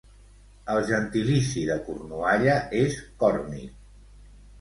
El gentilici de Cornualla és còrnic.